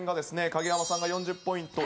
影山さんが４０ポイント